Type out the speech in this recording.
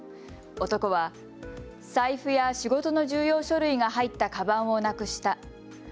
男は、財布や仕事の重要書類が入ったかばんをなくした。